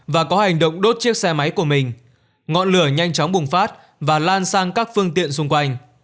và có hành động đốt chiếc xe máy của mình ngọn lửa nhanh chóng bùng phát và lan sang các phương tiện xung quanh